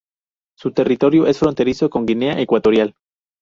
Su territorio es fronterizo con Guinea Ecuatorial.